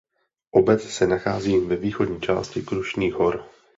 Obec se nachází ve východní části Krušných hor.